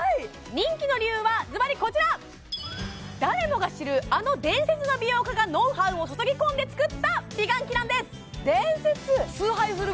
人気の理由はズバリこちら誰もが知るあの伝説の美容家がノウハウを注ぎ込んで作った美顔器なんです伝説？